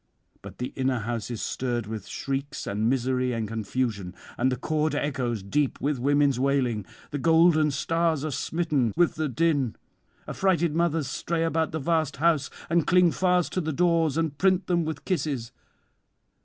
'But the inner house is stirred with shrieks and misery and confusion, and the court echoes deep with women's wailing; the golden stars are smitten with the din. Affrighted mothers stray about the vast house, and cling fast to the doors and print them with kisses.